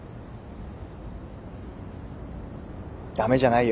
駄目じゃないよ。